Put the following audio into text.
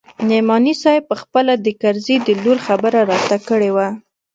نعماني صاحب پخپله د کرزي د لور خبره راته کړې وه.